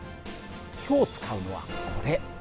今日使うのはこれ。